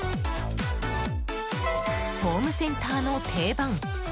ホームセンターの定番！